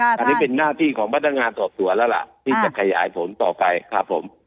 อันนี้เป็นหน้าที่ของพนักงานสอบสวนแล้วล่ะที่จะขยายผลต่อไปครับผม